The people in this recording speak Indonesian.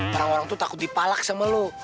orang orang tuh takut dipalak sama lo